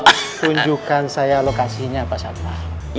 tunjukkan saya lokasinya pak sarpam